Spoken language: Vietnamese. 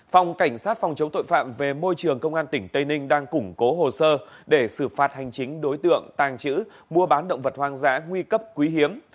phòng cảnh sát phòng chống tội phạm về môi trường công an tỉnh tây ninh đang củng cố hồ sơ để xử phạt hành chính đối tượng tàng trữ mua bán động vật hoang dã nguy cấp quý hiếm